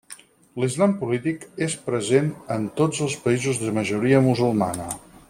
L'islam polític és present en tots els països de majoria musulmana.